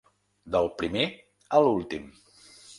Del primer a l’últim.